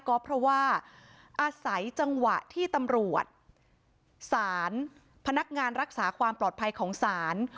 ก็เพราะว่าอาศัยจังหวะที่ตำรวจสารพนักงานรักษาความปลอดภัยของศาล